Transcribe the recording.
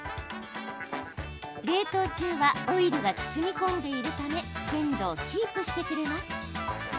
冷凍中はオイルが包み込んでいるため鮮度をキープしてくれます。